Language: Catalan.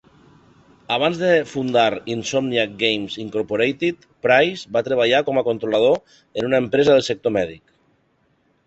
Abans de fundar Insomniac Games Incorporated, Price va treballar com a controlador en una empresa del sector mèdic.